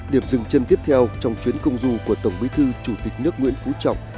điểm dừng chân tiếp theo trong chuyến công du của tổng bí thư chủ tịch nước nguyễn phú trọng